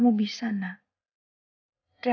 untuk bisa lewatin ini semua